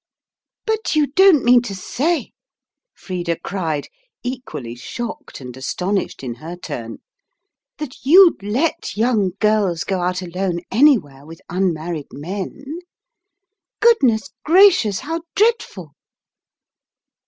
"But you don't mean to say," Frida cried, equally shocked and astonished in her turn, "that you'd let young girls go out alone anywhere with unmarried men? Goodness gracious, how dreadful!"